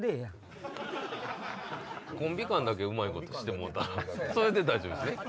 コンビ間だけうまいことしてもろたら大丈夫。